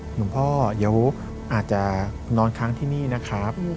หลวงพ่อเดี๋ยวอาจจะนอนค้างที่นี่นะครับ